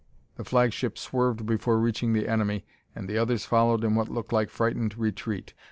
The flagship swerved before reaching the enemy, and the others followed in what looked like frightened retreat.